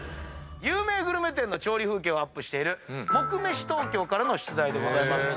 有名グルメ店の調理風景をアップしている『ＭＯＫＵＭＥＳＨＩＴＯＫＹＯ』からの出題でございます。